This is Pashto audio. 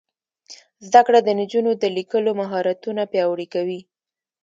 زده کړه د نجونو د لیکلو مهارتونه پیاوړي کوي.